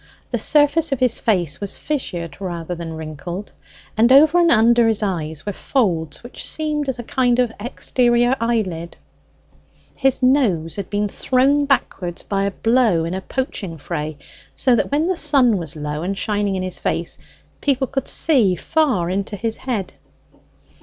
The surface of his face was fissured rather than wrinkled, and over and under his eyes were folds which seemed as a kind of exterior eyelids. His nose had been thrown backwards by a blow in a poaching fray, so that when the sun was low and shining in his face, people could see far into his head.